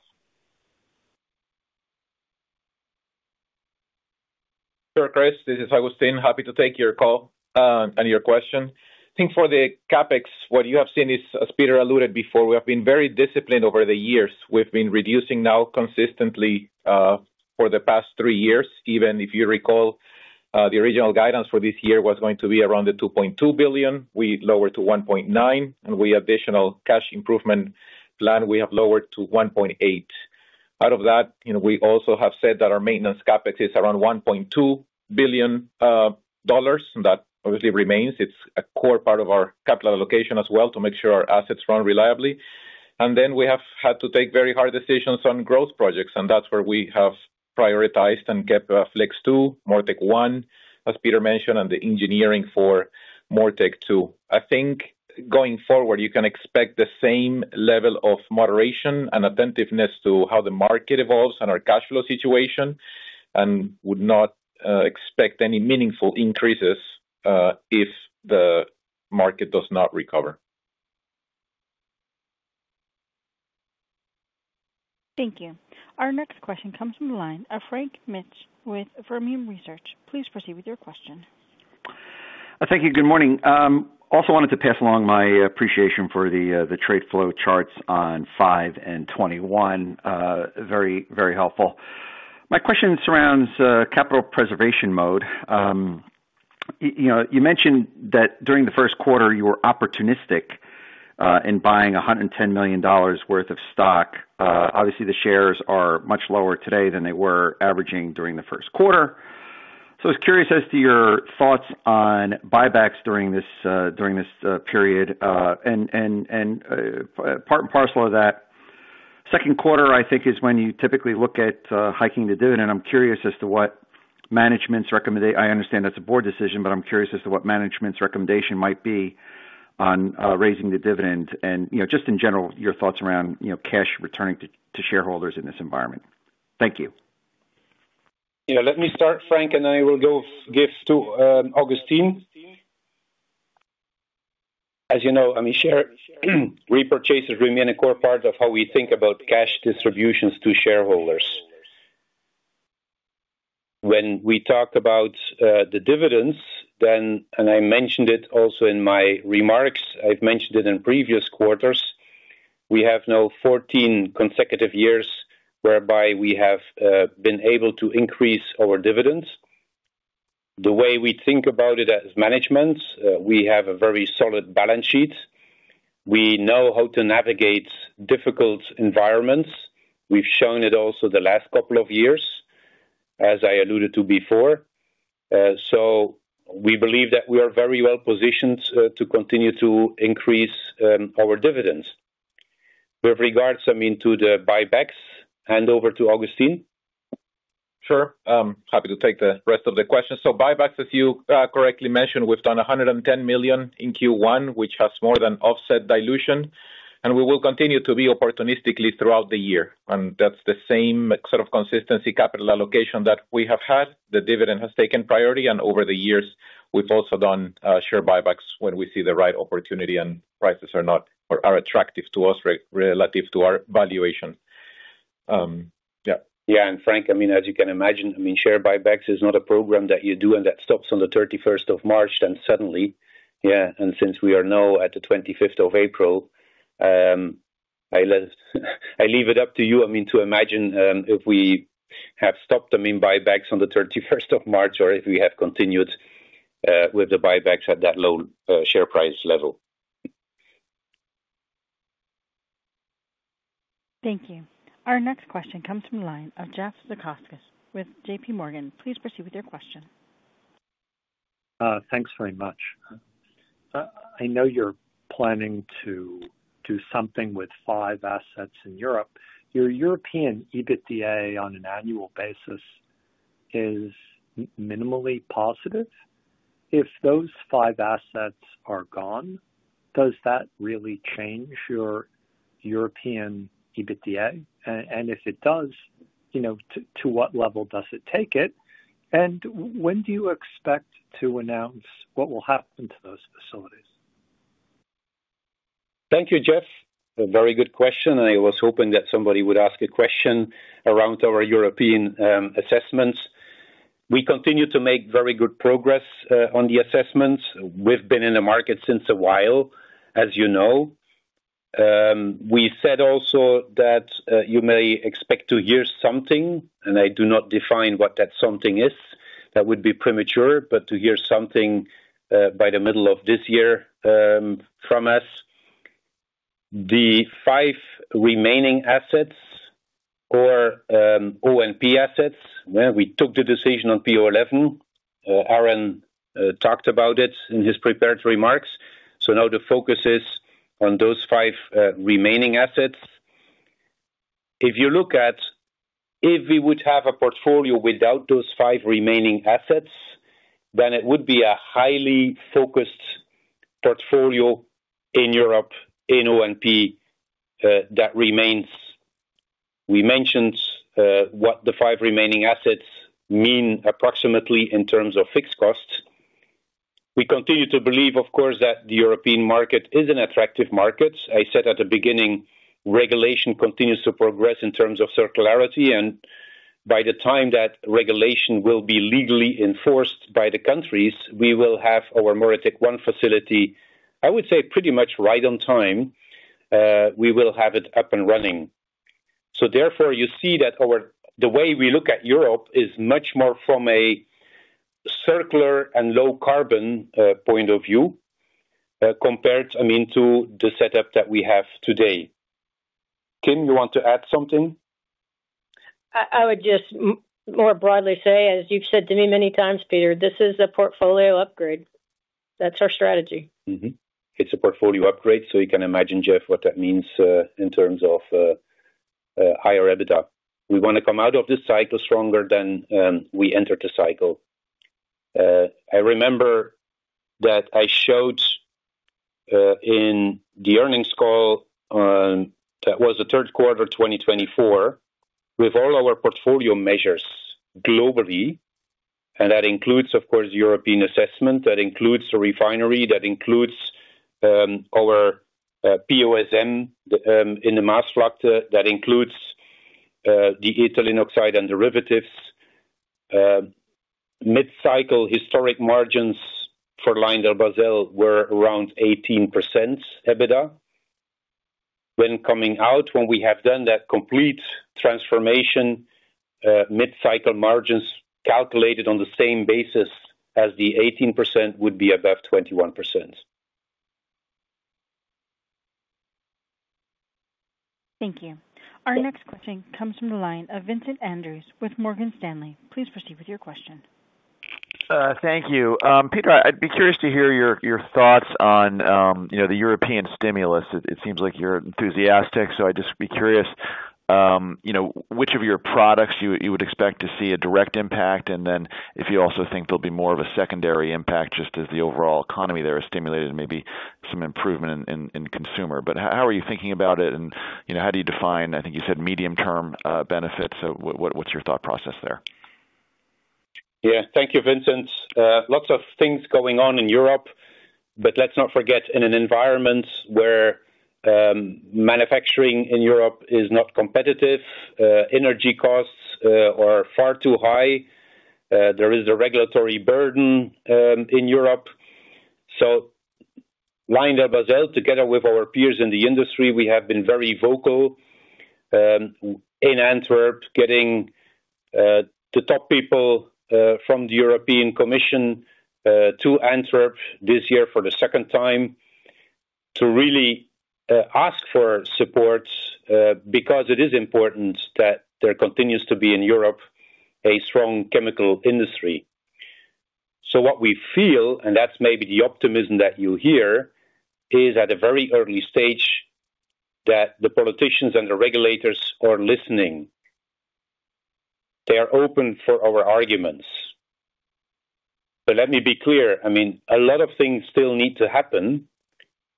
Sure, Chris. This is Agustín. Happy to take your call and your question. I think for the CapEx, what you have seen is, as Peter alluded before, we have been very disciplined over the years. We have been reducing now consistently for the past three years. Even if you recall, the original guidance for this year was going to be around the $2.2 billion. We lowered to $1.9 billion. With the additional cash improvement plan, we have lowered to $1.8 billion. Out of that, we also have said that our maintenance CapEx is around $1.2 billion. That obviously remains. It's a core part of our capital allocation as well to make sure our assets run reliably. We have had to take very hard decisions on growth projects. That's where we have prioritized and kept Flex 2, MoReTec One, as Peter mentioned, and the engineering for MoReTec 2. I think going forward, you can expect the same level of moderation and attentiveness to how the market evolves and our cash flow situation. I would not expect any meaningful increases if the market does not recover. Thank you. Our next question comes from the line of Frank Mitsch with Fermium Research Partners. Please proceed with your question. Thank you. Good morning. Also wanted to pass along my appreciation for the trade flow charts on 5 and 21. Very, very helpful. My question surrounds capital preservation mode. You mentioned that during the Q1, you were opportunistic in buying $110 million worth of stock. Obviously, the shares are much lower today than they were averaging during the Q1. I was curious as to your thoughts on buybacks during this period. Part and parcel of that second quarter, I think, is when you typically look at hiking the dividend. I'm curious as to what management's recommendation, I understand that's a board decision, but I'm curious as to what management's recommendation might be on raising the dividend. In general, your thoughts around cash returning to shareholders in this environment. Thank you. Yeah. Let me start, Frank, and then I will give to Agustín. As you know, I mean, share repurchase has remained a core part of how we think about cash distributions to shareholders. When we talked about the dividends, then, and I mentioned it also in my remarks, I've mentioned it in previous quarters, we have now 14 consecutive years whereby we have been able to increase our dividends. The way we think about it as management, we have a very solid balance sheet. We know how to navigate difficult environments. We've shown it also the last couple of years, as I alluded to before. We believe that we are very well positioned to continue to increase our dividends. With regards, I mean, to the buybacks, hand over to Agustín. Sure. Happy to take the rest of the questions. Buybacks, as you correctly mentioned, we've done $110 million in Q1, which has more than offset dilution. We will continue to be opportunistically throughout the year. That's the same sort of consistency capital allocation that we have had. The dividend has taken priority. Over the years, we've also done share buybacks when we see the right opportunity and prices are not or are attractive to us relative to our valuation. Yeah. Yeah. Frank, I mean, as you can imagine, I mean, share buybacks is not a program that you do and that stops on the 31st of March then suddenly. Since we are now at the 25th of April, I leave it up to you, I mean, to imagine if we have stopped, I mean, buybacks on the 31st of March or if we have continued with the buybacks at that low share price level. Thank you. Our next question comes from the line of Jeff Z. with JPMorgan Chase & Co. Please proceed with your question. Thanks very much. I know you're planning to do something with five assets in Europe.Your European EBITDA on an annual basis is minimally positive. If those five assets are gone, does that really change your European EBITDA? If it does, to what level does it take it? When do you expect to announce what will happen to those facilities? Thank you, Jeff. A very good question. I was hoping that somebody would ask a question around our European assessments. We continue to make very good progress on the assessments. We've been in the market since a while, as you know. We said also that you may expect to hear something, and I do not define what that something is. That would be premature, but to hear something by the middle of this year from us. The five remaining assets or O&P assets, we took the decision on PO-11. Aaron talked about it in his prepared remarks. Now the focus is on those five remaining assets. If you look at if we would have a portfolio without those five remaining assets, then it would be a highly focused portfolio in Europe, in ONP, that remains. We mentioned what the five remaining assets mean approximately in terms of fixed costs. We continue to believe, of course, that the European market is an attractive market. I said at the beginning, regulation continues to progress in terms of circularity. By the time that regulation will be legally enforced by the countries, we will have our Moritech One facility, I would say pretty much right on time. We will have it up and running. Therefore, you see that the way we look at Europe is much more from a circular and low carbon point of view compared, I mean, to the setup that we have today. Kim, you want to add something? I would just more broadly say, as you've said to me many times, Peter, this is a portfolio upgrade. That's our strategy. It's a portfolio upgrade. You can imagine, Jeff, what that means in terms of higher EBITDA. We want to come out of this cycle stronger than we entered the cycle. I remember that I showed in the earnings call that was the Q3 2024 with all our portfolio measures globally. That includes, of course, European assessment. That includes the refinery. That includes our POSM in the Maasvlakte. That includes the ethylene oxide and derivatives. Mid-cycle historic margins for LyondellBasell were around 18% EBITDA. When coming out, when we have done that complete transformation, mid-cycle margins calculated on the same basis as the 18% would be above 21%. Thank you. Our next question comes from the line of Vincent Andrews with Morgan Stanley. Please proceed with your question. Thank you. Peter, I'd be curious to hear your thoughts on the European stimulus. It seems like you're enthusiastic. I'd just be curious which of your products you would expect to see a direct impact and if you also think there will be more of a secondary impact just as the overall economy there is stimulated and maybe some improvement in consumer. How are you thinking about it? How do you define, I think you said, medium-term benefits? What's your thought process there? Yeah. Thank you, Vincent. Lots of things going on in Europe. Let's not forget in an environment where manufacturing in Europe is not competitive, energy costs are far too high, there is the regulatory burden in Europe. LyondellBasell, together with our peers in the industry, we have been very vocal in Antwerp, getting the top people from the European Commission to Antwerp this year for the second time to really ask for support because it is important that there continues to be in Europe a strong chemical industry. What we feel, and that's maybe the optimism that you hear, is at a very early stage that the politicians and the regulators are listening. They are open for our arguments. Let me be clear. I mean, a lot of things still need to happen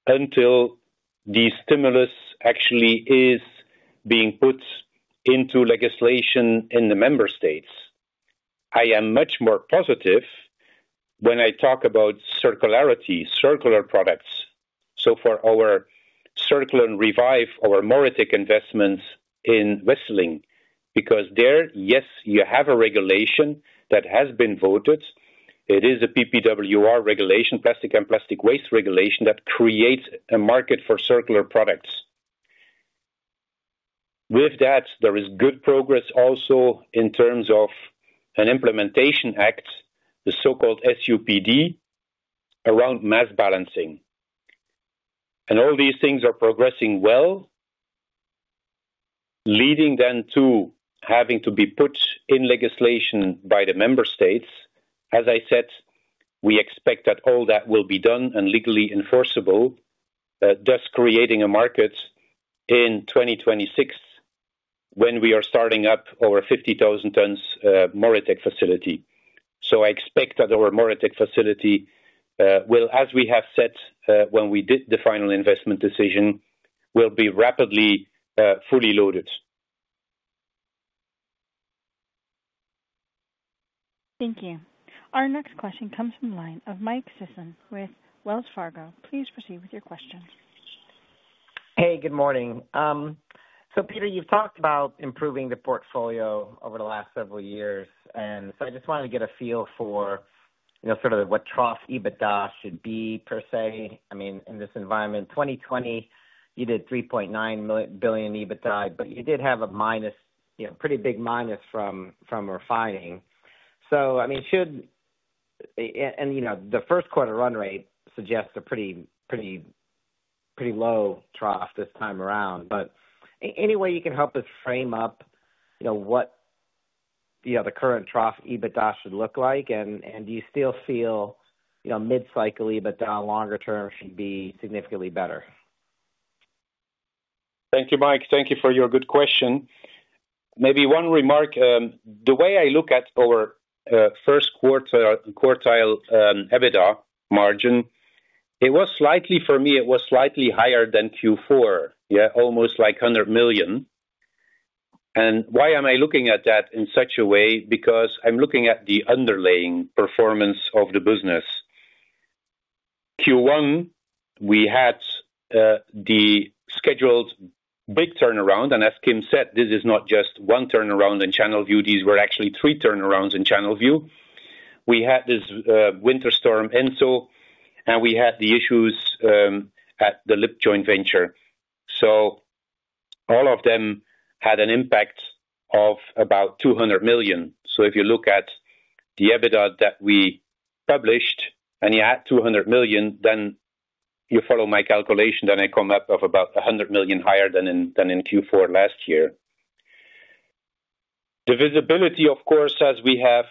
until the stimulus actually is being put into legislation in the member states. I am much more positive when I talk about circularity, circular products. For our Circulen and Revive, our MoReTec investments in Wesseling, because there, yes, you have a regulation that has been voted. It is a PPWR regulation, plastic and plastic waste regulation that creates a market for circular products. With that, there is good progress also in terms of an implementation act, the so-called SUPD, around mass balancing. All these things are progressing well, leading then to having to be put in legislation by the member states. As I said, we expect that all that will be done and legally enforceable, thus creating a market in 2026 when we are starting up our 50,000-ton MoReTec facility. I expect that our MoReTec facility will, as we have said when we did the final investment decision, be rapidly fully loaded. Thank you. Our next question comes from the line of Mike Sison with Wells Fargo. Please proceed with your question. Hey, good morning. Peter, you've talked about improving the portfolio over the last several years.I just wanted to get a feel for sort of what trough EBITDA should be per se. I mean, in this environment, 2020, you did $3.9 billion EBITDA, but you did have a pretty big minus from refining. I mean, should and the Q1 run rate suggests a pretty low trough this time around. Any way you can help us frame up what the current trough EBITDA should look like? Do you still feel mid-cycle EBITDA longer term should be significantly better? Thank you, Mike. Thank you for your good question. Maybe one remark. The way I look at our first quartile EBITDA margin, it was slightly for me, it was slightly higher than Q4, yeah, almost like $100 million. Why am I looking at that in such a way? Because I'm looking at the underlying performance of the business. Q1, we had the scheduled big turnaround. As Kim said, this is not just one turnaround in Channelview. These were actually three turnarounds in Channelview. We had this winter storm, Enzo, and we had the issues at the PO-11 Joint Venture. All of them had an impact of about $200 million. If you look at the EBITDA that we published and you add $200 million, then you follow my calculation, then I come up about $100 million higher than in Q4 last year. The visibility, of course, as we have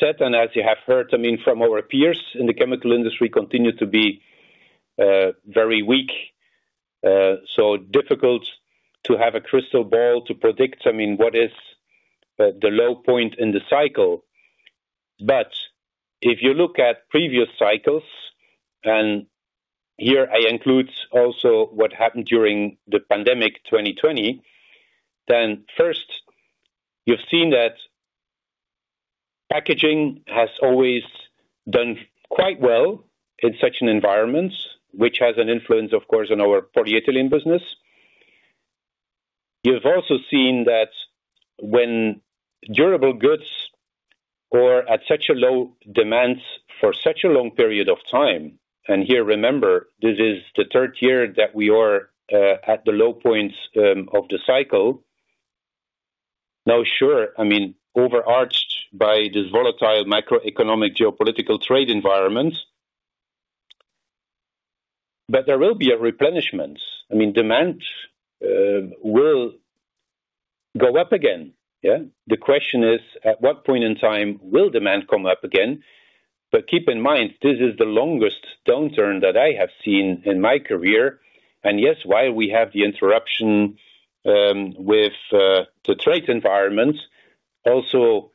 said and as you have heard, I mean, from our peers in the chemical industry, continue to be very weak. Difficult to have a crystal ball to predict, I mean, what is the low point in the cycle. If you look at previous cycles, and here I include also what happened during the pandemic 2020, first, you've seen that packaging has always done quite well in such an environment, which has an influence, of course, on our polyethylene business. You've also seen that when durable goods are at such a low demand for such a long period of time, and here, remember, this is the third year that we are at the low points of the cycle. Now, sure, I mean, overarched by this volatile macroeconomic geopolitical trade environment, but there will be a replenishment. I mean, demand will go up again. Yeah. The question is, at what point in time will demand come up again? Keep in mind, this is the longest downturn that I have seen in my career. Yes, while we have the interruption with the trade environment, also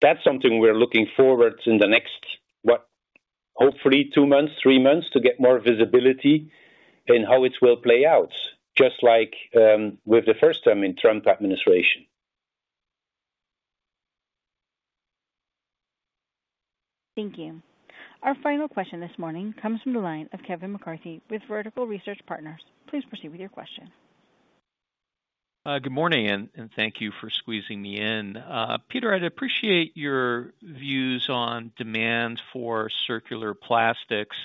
that's something we're looking forward to in the next, what, hopefully, two months, three months to get more visibility in how it will play out, just like with the first term in Trump administration. Thank you. Our final question this morning comes from the line of Kevin McCarthy with Vertical Research Partners. Please proceed with your question. Good morning, and thank you for squeezing me in. Peter, I'd appreciate your views on demand for circular plastics.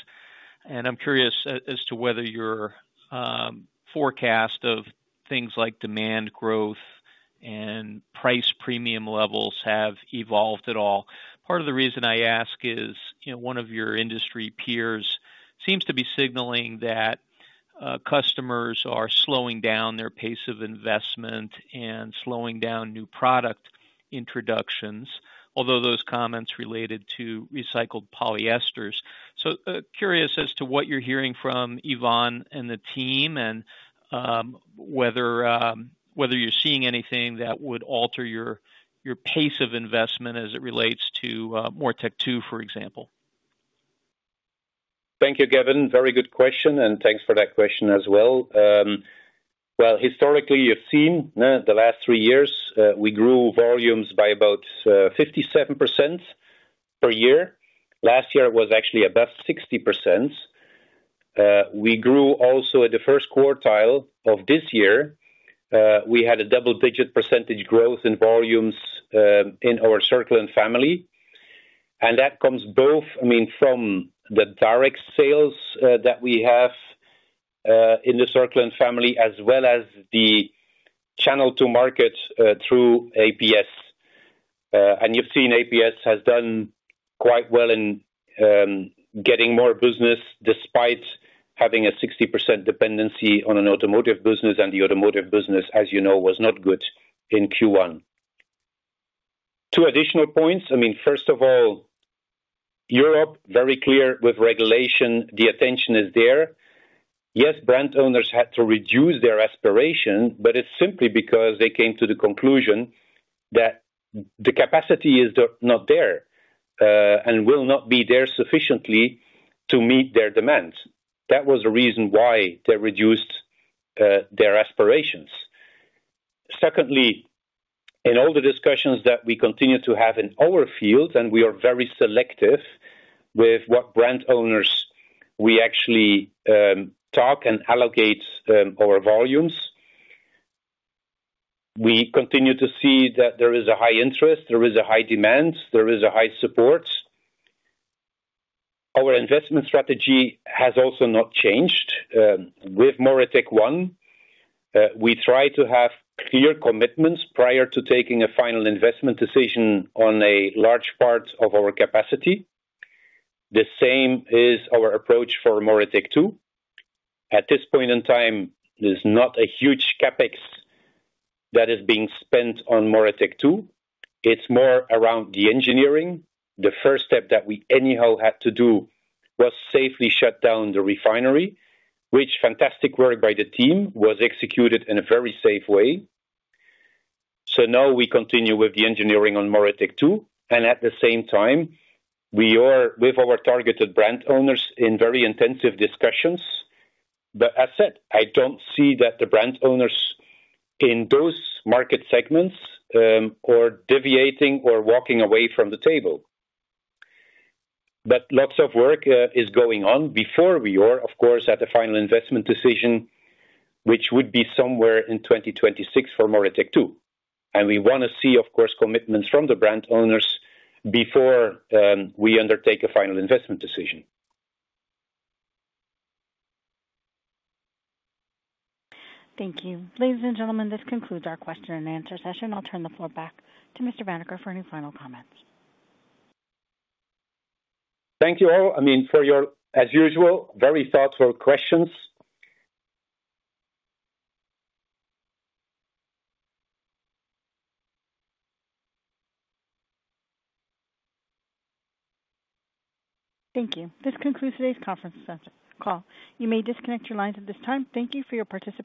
I'm curious as to whether your forecast of things like demand growth and price premium levels have evolved at all. Part of the reason I ask is one of your industry peers seems to be signaling that customers are slowing down their pace of investment and slowing down new product introductions, although those comments related to recycled polyesters. Curious as to what you're hearing from Yvonne and the team and whether you're seeing anything that would alter your pace of investment as it relates to MoReTec-2, for example. Thank you, Kevin. Very good question. Thanks for that question as well. Historically, you've seen the last three years, we grew volumes by about 57% per year. Last year, it was actually above 60%. We grew also at the first quartile of this year. We had a double-digit % growth in volumes in our circu family. That comes both, I mean, from the direct sales that we have in the circle and family as well as the channel to market through APS. You've seen APS has done quite well in getting more business despite having a 60% dependency on an automotive business. The automotive business, as you know, was not good in Q1. Two additional points. First of all, Europe, very clear with regulation, the attention is there. Yes, brand owners had to reduce their aspiration, but it is simply because they came to the conclusion that the capacity is not there and will not be there sufficiently to meet their demands. That was the reason why they reduced their aspirations. Secondly, in all the discussions that we continue to have in our field, and we are very selective with what brand owners we actually talk and allocate our volumes. We continue to see that there is a high interest, there is a high demand, there is a high support. Our investment strategy has also not changed. With MoReTec I, we try to have clear commitments prior to taking a final investment decision on a large part of our capacity. The same is our approach for MoReTec II. At this point in time, there's not a huge CapEx that is being spent on MoReTec II. It's more around the engineering. The first step that we anyhow had to do was safely shut down the refinery, which fantastic work by the team was executed in a very safe way. Now we continue with the engineering on MoReTec II. At the same time, we are with our targeted brand owners in very intensive discussions. As I said, I don't see that the brand owners in those market segments are deviating or walking away from the table. Lots of work is going on. Before we are, of course, at a final investment decision, which would be somewhere in 2026 for MoReTec II. We want to see, of course, commitments from the brand owners before we undertake a final investment decision. Thank you. Ladies and gentlemen, this concludes our question and answer session. I'll turn the floor back to Mr. Vanacker for any final comments. Thank you all. I mean, for your, as usual, very thoughtful questions. Thank you. This concludes today's conference call. You may disconnect your lines at this time. Thank you for your participation.